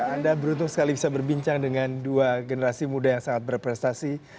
anda beruntung sekali bisa berbincang dengan dua generasi muda yang sangat berprestasi